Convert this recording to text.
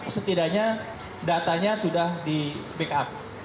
setidaknya datanya sudah di backup